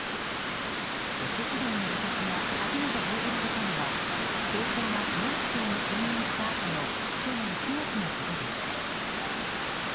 女子児童の自殺が初めて報じられたのは校長が教育長に就任したあとの去年９月のことでした。